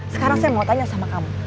sekarang saya mau tanya sama kamu